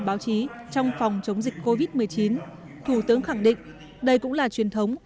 báo chí trong phòng chống dịch covid một mươi chín thủ tướng khẳng định đây cũng là truyền thống